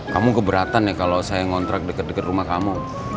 kamu keberatan ya kalau saya ngontrak dekat dekat rumah kamu